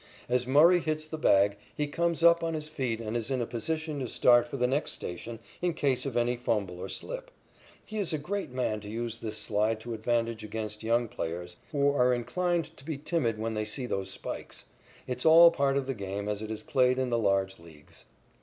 As Murray hits the bag, he comes up on his feet and is in a position to start for the next station in case of any fumble or slip. He is a great man to use this slide to advantage against young players, who are inclined to be timid when they see those spikes. It's all part of the game as it is played in the large leagues.